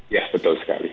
ya betul sekali